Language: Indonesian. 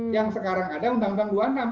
yang sekarang ada undang undang dua puluh enam